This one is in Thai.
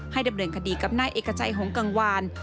ดำเนินคดีกับนายเอกชัยหงกังวาน